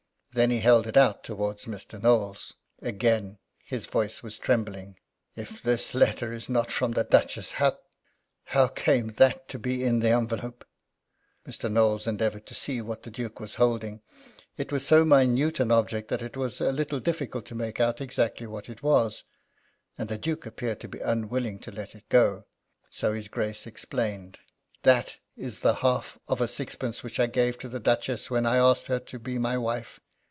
Then he held it out towards Mr. Knowles. Again his voice was trembling. "If this letter is not from the Duchess, how came that to be in the envelope?" Mr. Knowles endeavoured to see what the Duke was holding. It was so minute an object that it was a little difficult to make out exactly what it was, and the Duke appeared to be unwilling to let it go. So his Grace explained: "That is the half of a sixpence which I gave to the Duchess when I asked her to be my wife.